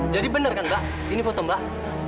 jadi benar kan mbak ini foto mbak